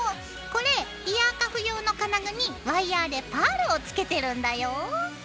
これイヤーカフ用の金具にワイヤーでパールを付けてるんだよ。